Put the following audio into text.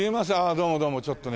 どうもどうもちょっとね